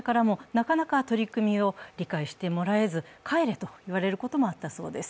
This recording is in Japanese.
なかなか取り組みを理解してもらえず、帰れと言われることもあったそうです。